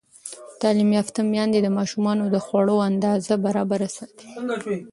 تعلیم یافته میندې د ماشومانو د خوړو اندازه برابره ساتي.